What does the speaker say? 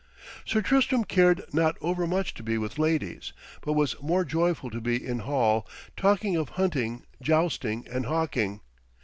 Sir Tristram cared not overmuch to be with ladies, but was more joyful to be in hall, talking of hunting, jousting and hawking.